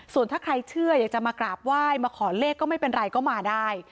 ส่วนถ้าใครเชื่ออยากจะมากราบไหว้มาขอเลขก็ไม่เป็นไรก็มาได้